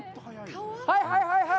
はいはいはいはい！